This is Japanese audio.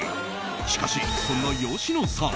しかし、そんな吉野さん